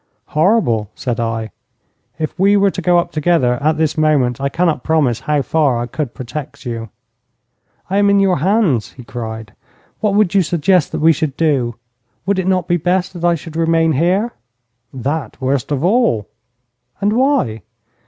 'Horrible!' said I. 'If we were to go up together at this moment I cannot promise how far I could protect you.' 'I am in your hands,' he cried. 'What would you suggest that we should do? Would it not be best that I should remain here?' 'That worst of all.' 'And why?'